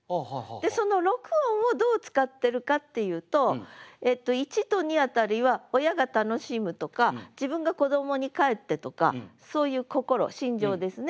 その６音をどう使ってるかっていうと１と２辺りは「親が楽しむ」とか「自分が子どもに返って」とかそういう心心情ですね。